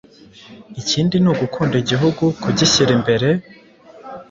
Ikindi ni ugukunda igihugu, kugishyira imbere